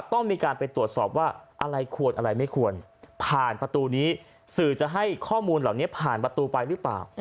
ต้องมีการไปตรวจสอบว่าอะไรควรอะไรไม่ควรผ่านประตูนี้สื่อจะให้ข้อมูลเหล่านี้ผ่านประตูไปหรือเปล่า